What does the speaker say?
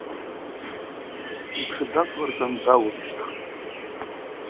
Йтшы даквлырчӏван дауылщтхтӏ.